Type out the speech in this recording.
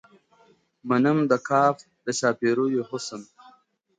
منم د قاف د شاپېريو حُسن~